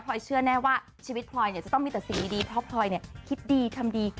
เชื่อแน่ว่าชีวิตพลอยจะต้องมีแต่สิ่งดีเพราะพลอยคิดดีทำดี